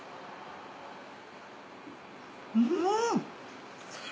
うん！